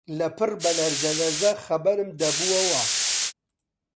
لەپڕ بە لەرزە لەرز خەبەرم دەبۆوە